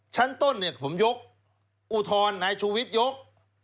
ขั้นต้นเนี่ยผมยกอุทรในชุวิตยก